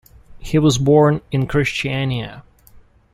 He was born in Kristiania.